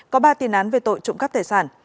có ba tiền án về tội trộm cắp tài sản